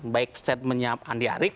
baik setmennya andi arief